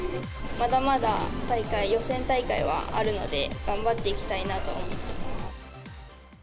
まだまだ予選大会はあるので、頑張っていきたいなと思ってます。